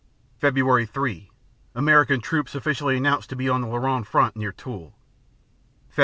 Feb. 3 American troops officially announced to be on the Lorraine front near Toul. Feb.